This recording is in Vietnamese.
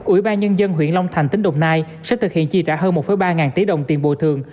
ủy ban nhân dân huyện long thành tỉnh đồng nai sẽ thực hiện chi trả hơn một ba tỷ đồng tiền bồi thường